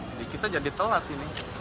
jadi kita jadi telat ini